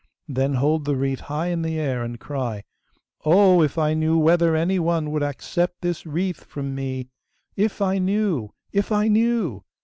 Then hold the wreath high in the air and cry, "Oh! if I knew whether any one would accept this wreath from me... if I knew! if I knew!"